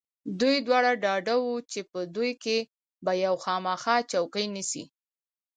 دوی دواړه ډاډه و چې په دوی کې به یو خامخا چوکۍ نیسي.